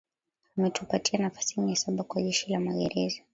Ametupatia nafasi mia saba kwa Jeshi la Magereza